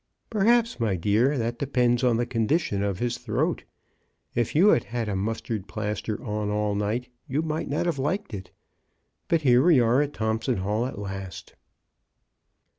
" Perhaps, my dear, that depends on the condition of his throat. If you had had a mustard plaster on all night, you might not have liked it. But here we are at Thompson Hall at last."